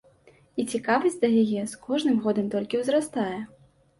І цікавасць да яе з кожным годам толькі ўзрастае.